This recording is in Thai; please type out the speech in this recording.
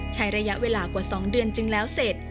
ใช้ระยะเวลากว่า๒เดือนจึงแล้วเสร็จ